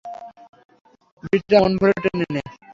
বিড়িটা মন ভরে টেনে নে।